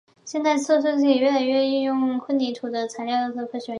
现代测试技术也越来越多地应用于混凝土材料科学的研究。